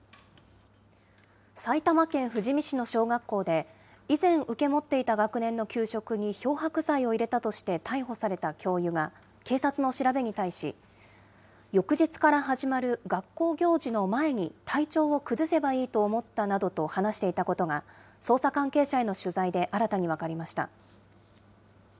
埼玉県富士見市の小学校で、以前受け持っていた学年の給食に漂白剤を入れたとして逮捕された教諭が、警察の調べに対し、翌日から始まる学校行事の前に、体調を崩せばいいと思ったなどと話していたことが、捜査関係者への取材で新たに分かりました。